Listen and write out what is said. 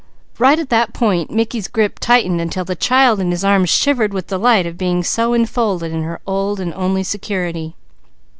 Right at that point Mickey's grip tightened until the child in his arms shivered with delight of being so enfolded in her old and only security.